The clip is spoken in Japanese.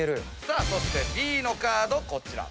そしてＢのカードこちら。